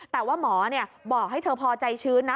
แต่ว่าหมอบอกให้เธอพอใจชื้นนะ